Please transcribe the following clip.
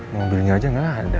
mobilnya aja gak ada